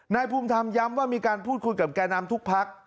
นายภูมิธรรมย้ำว่ามีการพูดคุยกับแก่นำทุกพัก